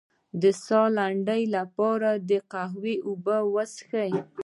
د ساه لنډۍ لپاره د قهوې اوبه وڅښئ